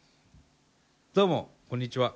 どうもこんにちは。